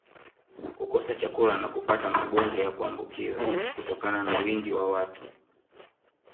kukosa chakula na kupata magonjwa ya kuambukiza kutokana na wingi wa watu